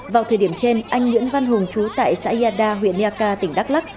vào thời điểm trên anh nguyễn văn hùng trú tại xã yada huyện yaka tỉnh đắk lắc